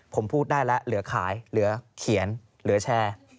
ผมพูดได้แล้วเหลือขายเหลือเขียนเหลือแชร์